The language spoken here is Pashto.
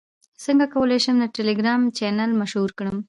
څنګه کولی شم د ټیلیګرام چینل مشهور کړم